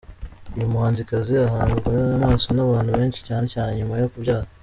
Uyu muhanzikazi ahanzwe amaso n’abantu benshi cyane cyane nyuma yo kubyara.